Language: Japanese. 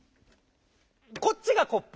こっちが「コップ」。